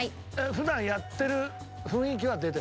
普段やってる雰囲気は出てますよね。